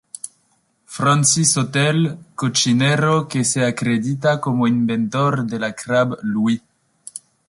Francis Hotel, cocinero que se acredita como inventor de la crab Louie.